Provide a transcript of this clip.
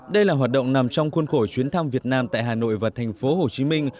đây là hoạt động nằm trong khuôn khổ chuyến thăm việt nam tại hà nội và thành phố hồ chí minh